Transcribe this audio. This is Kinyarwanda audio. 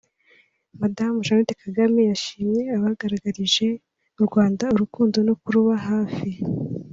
Madame Jeannette Kagame yashimye abagaragarije u Rwanda urukundo no kuruba hafi